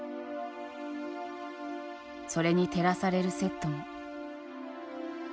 それに照らされるセットも。